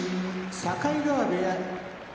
境川部屋